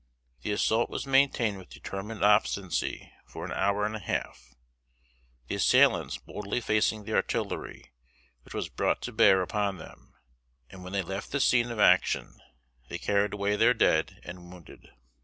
The assault was maintained with determined obstinacy for an hour and a half, the assailants boldly facing the artillery, which was brought to bear upon them; and when they left the scene of action, they carried away their dead and wounded.